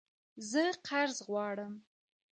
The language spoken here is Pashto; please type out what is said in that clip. زه قرض غواړم